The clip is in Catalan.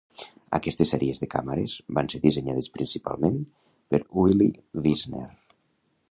Aquestes sèries de càmeres van ser dissenyades principalment per Willi Wiessner.